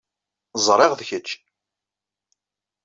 Ẓriɣ d kečč.